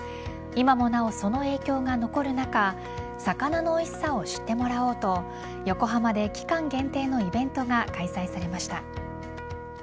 今もなお、その影響が残る中魚のおいしさを知ってもらおうと横浜で期間限定のイベントが開催されました。